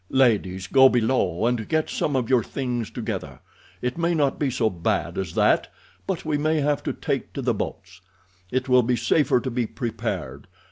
"Ladies, go below and get some of your things together. It may not be so bad as that, but we may have to take to the boats. It will be safer to be prepared.